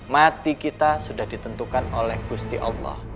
mati kita sudah ditentukan oleh gusti allah